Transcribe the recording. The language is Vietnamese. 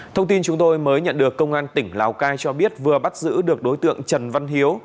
thông tin chúng tôi mới nhận được công an tỉnh lào cai cho biết vừa bắt giữ được đối tượng trần văn hiếu